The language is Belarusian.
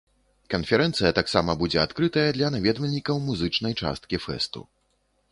Канферэнцыя таксама будзе адкрытая для наведвальнікаў музычнай часткі фэсту.